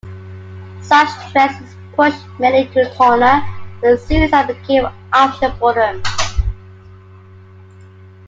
Such stresses pushed many into a corner where suicide became an option for them.